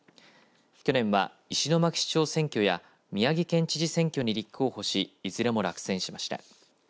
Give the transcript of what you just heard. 去年は、石巻市長選挙や宮城県知事選挙に立候補しいずれも落選しました。